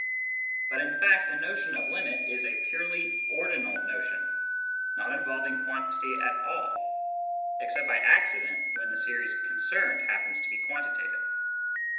But in fact the notion of " limit " is a purely ordinal notion, not involving quantity at all (except by accident when the series concerned happens to be quantitative).